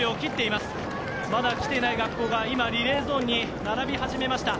まだ来てない学校が今リレーゾーンに並び始めました。